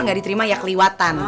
nggak diterima ya keliwatan